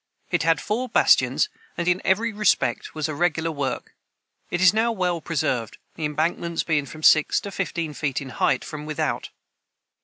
It had four bastions, and in every respect was a regular work. It is now well preserved, the embankments being from six to fifteen feet in height from without.